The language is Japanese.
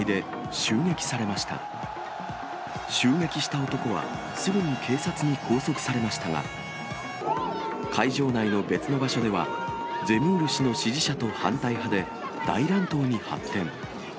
襲撃した男はすぐに警察に拘束されましたが、会場内の別の場所では、ゼムール氏の支持者と反対派で大乱闘に発展。